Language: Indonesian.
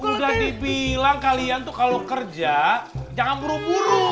udah dibilang kalian tuh kalau kerja jangan buru buru